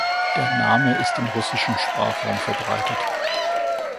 Der Name ist im russischen Sprachraum verbreitet.